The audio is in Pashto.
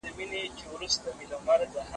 ځواک په سياست کي د پرېکړو پلي کولو وسيله ده.